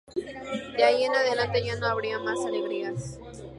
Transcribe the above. De ahí en adelante ya no habría más alegrías.